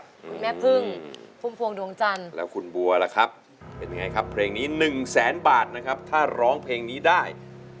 คุณแม่พึ่งพุ่มพวงดวงจันทร์แล้วคุณบัวล่ะครับเป็นยังไงครับเพลงนี้หนึ่งแสนบาทนะครับถ้าร้องเพลงนี้ได้